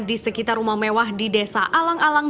di sekitar rumah mewah di desa alang alang